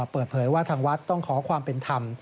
เปิดเผยว่าทางวัดต้องขอความเป็นธรรม